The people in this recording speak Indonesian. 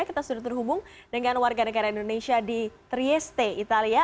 kita sudah terhubung dengan warga negara indonesia di trieste italia